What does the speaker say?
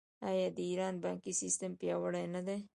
آیا د ایران بانکي سیستم پیاوړی نه دی؟